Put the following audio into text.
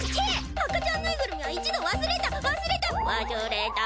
赤ちゃんぬいぐるみは一度忘れた忘れた忘れた。